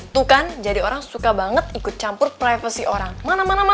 tuh kan jadi orang suka banget ikut campur privasi orang mana mana